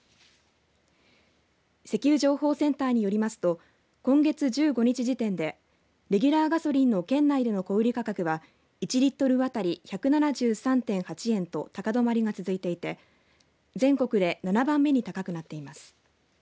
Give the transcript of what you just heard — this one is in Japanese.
石油情報センターによりますと今月１５日時点でレギュラーガソリンの県内での小売価格は１リットル当たり１７３．８円と高止まりが続いていて、全国で７番目に高くなっています。